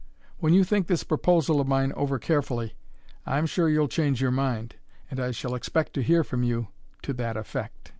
When you think this proposal of mine over carefully I'm sure you'll change your mind, and I shall expect to hear from you to that effect."